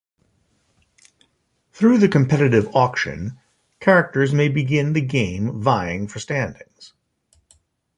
Through the competitive Auction, characters may begin the game vying for standings.